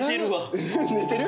寝てる？